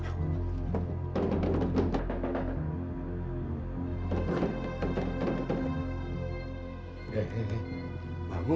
beri saya saham ya sudah pergi sekarang